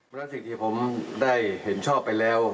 เมื่อสิ่งที่ผมได้เห็นชอบไปแล้ว